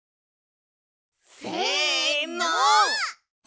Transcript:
せの！